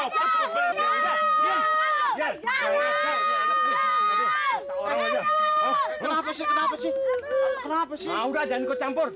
oh kenapa sih kenapa sih kenapa sih udah jangan ikut campur